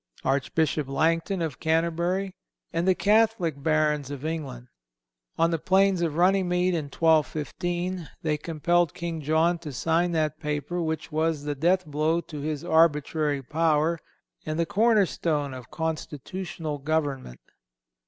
Archbishop Langton, of Canterbury, and the Catholic Barons of England. On the plains of Runnymede, in 1215, they compelled King John to sign that paper which was the death blow to his arbitrary power and the cornerstone of constitutional government.